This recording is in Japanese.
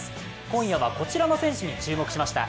今夜はこちらの選手に注目しました。